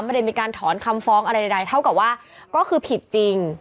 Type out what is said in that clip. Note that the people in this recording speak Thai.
ไม่ได้มีการถอนคำฟ้องอะไรใดเท่ากับว่าก็คือผิดจริง